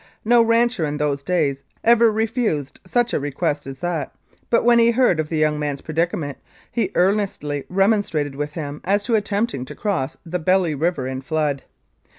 No rancher in those days ever refused such a request as that, but when he heard of the young man's predicament, he earnestly remonstrated with him as to attempting to cross the Belly River in flood.